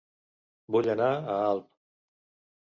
Vull anar a Alp